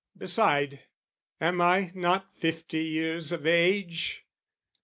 Beside, am I not fifty years of age?